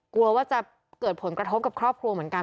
กลัวว่าจะเกิดผลกระทบกับครอบครัวเหมือนกัน